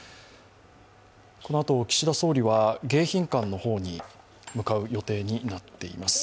このあと岸田総理は迎賓館の方に向かう予定になっています。